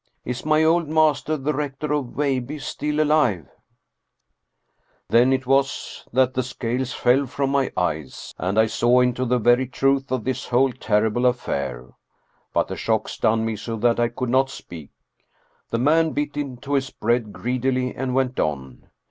Is my old master, the Rector of Veilbye, still alive ?" Then it was that the scales fell from my eyes and I saw into the very truth of this whole terrible affair. But the shock stunned me so that I could not speak. The man bit into his bread greedily and went on.